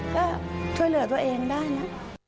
ก็ช่วยเหลือตัวเองได้นะ